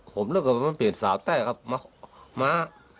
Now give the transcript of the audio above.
ผมเลือกกับมันเปลี่ยนสาวแต้ครับมามา